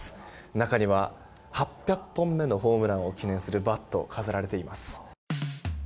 中には、８００本目のホームランを記念するバットが飾られています。